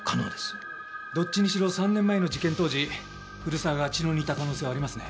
どっちにしろ３年前の事件当時古沢が茅野にいた可能性はありますね。